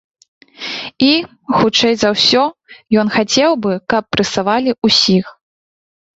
І, хутчэй за ўсё, ён хацеў бы, каб прэсавалі ўсіх.